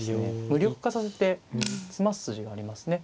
無力化させて詰ます筋がありますね。